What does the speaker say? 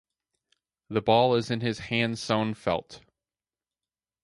The ball is in hand-sewn felt.